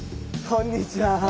こんにちは。